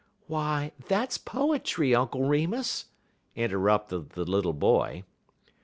'" "Why, that's poetry, Uncle Remus!" interrupted the little boy.